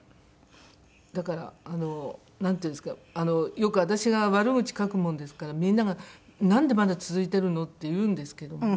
だからなんていうんですかよく私が悪口書くもんですからみんなが「なんでまだ続いてるの？」って言うんですけども。